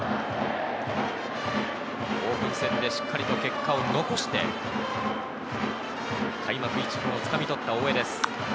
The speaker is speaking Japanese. オープン戦でしっかりと結果を残して、開幕１軍を掴み取った大江です。